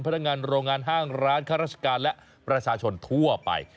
พนักงานโรงงานห้างร้านข้าราชการและประชาชนทั่วไป